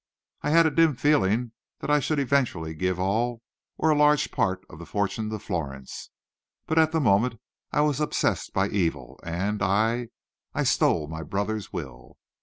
I had a dim feeling that I should eventually give all, or a large part, of the fortune to Florence, but at the moment I was obsessed by evil, and I I stole my brother's will."